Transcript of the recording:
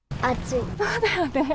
そうだよね。